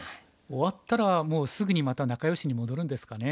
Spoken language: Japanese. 終わったらもうすぐにまた仲よしに戻るんですかね。